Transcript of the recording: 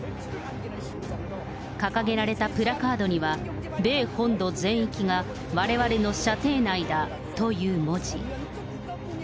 掲げられたプラカードには、米本土全域がわれわれの射程内だという文字。